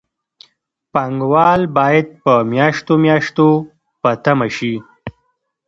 پانګوال باید په میاشتو میاشتو په تمه شي